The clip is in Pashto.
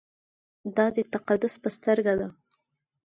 دا د تقدس په سترګه ده.